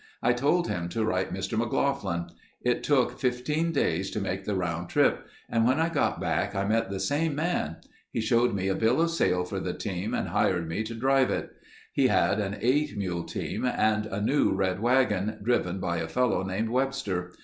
I told him to write Mr. McLaughlin. It took 15 days to make the round trip and when I got back I met the same man. He showed me a bill of sale for the team and hired me to drive it. He had an eight mule team and a new red wagon, driven by a fellow named Webster.